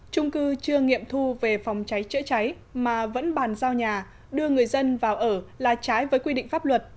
trung cư chưa nghiệm thu về phòng cháy chữa cháy mà vẫn bàn giao nhà đưa người dân vào ở là trái với quy định pháp luật